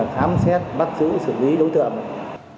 thám xét bắt giữ xử lý đối tượng